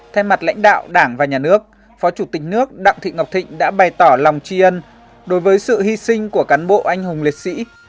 thay mặt lãnh đạo đảng và nhà nước phó chủ tịch nước đặng thị ngọc thịnh đã bày tỏ lòng tri ân đối với sự hy sinh của cán bộ anh hùng liệt sĩ